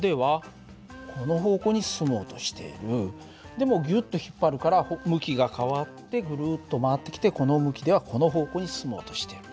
でもギュッと引っ張るから向きが変わってぐるっと回ってきてこの向きではこの方向に進もうとしている。